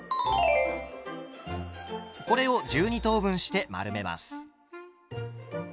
これを１２等分して丸めます。